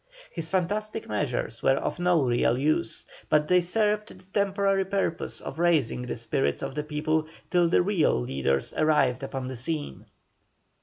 His fantastic measures were of no real use, but they served the temporary purpose of raising the spirits of the people till the real leaders arrived upon the scene.